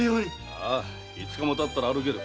ああ五日も経ったら歩ける。